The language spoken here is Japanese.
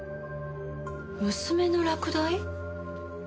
娘の落第？